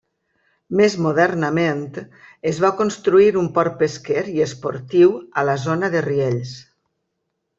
Més modernament, es va construir un port pesquer i esportiu a la zona de Riells.